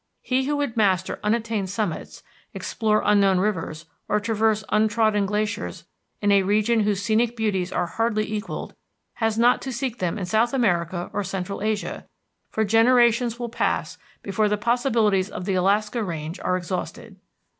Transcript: He who would master unattained summits, explore unknown rivers, or traverse untrodden glaciers in a region whose scenic beauties are hardly equalled, has not to seek them in South America or Central Asia, for generations will pass before the possibilities of the Alaskan Range are exhausted.